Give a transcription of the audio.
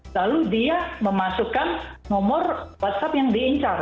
lalu dia memasukkan nomor whatsapp yang diincar